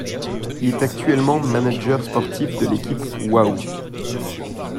Il est actuellement manager sportif de l'équipe Waoo.